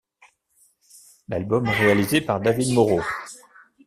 L'album est réalisé par David Moreau.